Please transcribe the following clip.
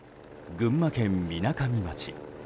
群馬県みなかみ町。